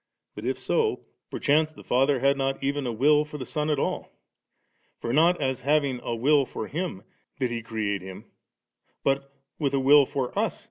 But if so, perchance the Father had not even a will for the Son at all ; for not as having a will for Him, did He create Him, but with a will for us.